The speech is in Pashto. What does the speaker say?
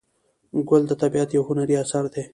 ګل د طبیعت یو هنري اثر دی.